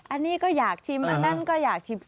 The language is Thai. อันนี้ก็อยากชิมอันนั้นก็อยากชิม